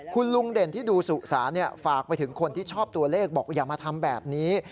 คุณลุงเด่นที่ดูสุสานฝากไปถึงคนที่ชอบตัวเลขบอกอย่ามาทำแบบนี้